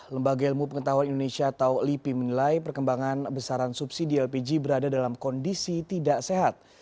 lembaga ilmu pengetahuan indonesia atau lipi menilai perkembangan besaran subsidi lpg berada dalam kondisi tidak sehat